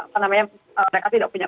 karena mereka tidak punya